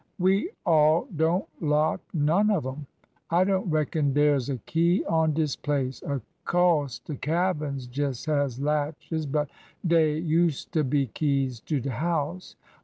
We all don't lock none of 'em. I don't reckon dere 's a key on dis place— of co'se de cabins jes' has latches— but dey useter be keys to de house.